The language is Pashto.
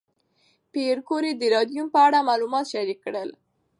پېیر کوري د راډیوم په اړه معلومات شریک کړل.